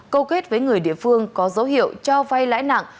cầu kết với người địa phương có dấu hiệu cho vay lãnh